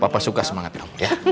papa suka semangat ya